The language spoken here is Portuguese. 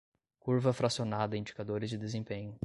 curva fracionada indicadores de desempenho